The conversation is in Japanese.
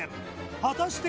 果たして